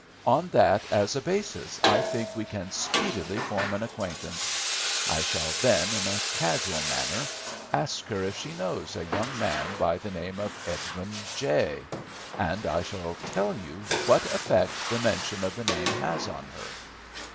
On that as a basis I think we can speedily form an acquaintance. I shall then in a casual manner ask her if she knows a young man by the name of Edwin J., and I shall tell you what effect the mention of the name has on her."